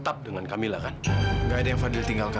halo aku masih ada di sini